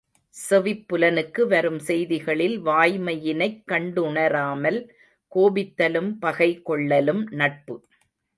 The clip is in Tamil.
செவிப்புலனுக்கு வரும் செய்திகளில் வாய்மையினைக் கண்டுணராமல் கோபித்தலும் பகை கொள்ளலும் நட்பு.